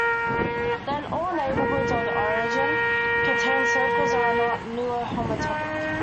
Then all neighborhoods of the origin contain circles that are not nullhomotopic.